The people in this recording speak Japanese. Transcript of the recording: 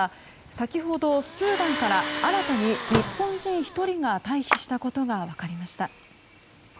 先ほどスーダンから新たに日本人１人が退避したことが分かりました。